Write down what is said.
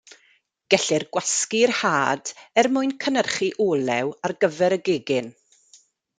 Gellir gwasgu'r had, er mwyn cynhyrchu olew ar gyfer y gegin.